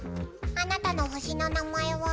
あなたの星の名前は？